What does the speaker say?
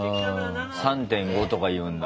３．５とかいうんだ。